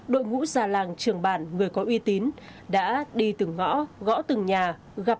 đội ngũ già làng trường bản người có uy tín đã đi từng ngõ gõ từng nhà